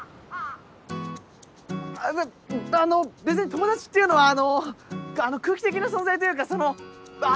あの別に友達っていうのはあの空気的な存在というかそのあぁ違う。